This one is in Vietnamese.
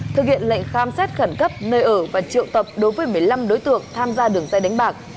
thực hiện lệnh khám xét khẩn cấp nơi ở và triệu tập đối với một mươi năm đối tượng tham gia đường dây đánh bạc